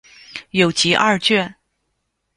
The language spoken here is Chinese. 有集二卷。